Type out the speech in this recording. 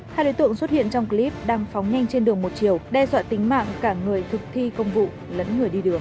hai đối tượng xuất hiện trong clip đăng phóng nhanh trên đường một chiều đe dọa tính mạng cả người thực thi công vụ lẫn người đi đường